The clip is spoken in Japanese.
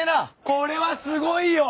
これはすごいよ。